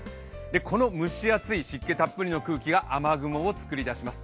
この蒸し暑い湿気たっぷりの空気が雨雲を作り出します。